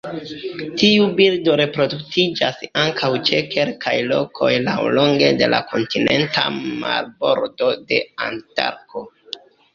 Tiu birdo reproduktiĝas ankaŭ ĉe kelkaj lokoj laŭlonge de la kontinenta marbordo de Antarkto.